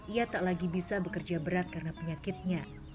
ia tak lagi bisa bekerja berat karena penyakitnya